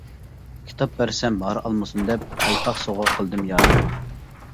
كىتاب بەرسەم ھار ئالمىسۇن دەپ، پايپاق سوۋغا قىلدىم يارىمغا.